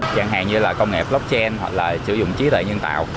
chẳng hạn như là công nghệ blockchain hoặc là sử dụng trí tuệ nhân tạo